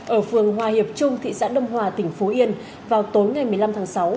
ở phường hòa hiệp trung thị xã đông hòa tỉnh phú yên vào tối ngày một mươi năm tháng sáu